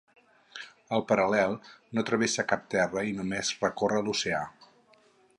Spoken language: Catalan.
El paral·lel no travessa cap terra i només recorre l'oceà.